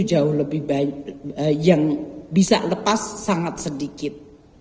jauh lebih baik yang bisa lepas sangat sedikit